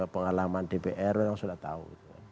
pengalaman dpr orang sudah tahu